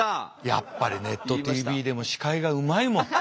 やっぱりネットＴＶでも司会がうまいもん。